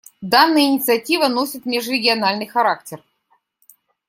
Данная инициатива носит межрегиональный характер.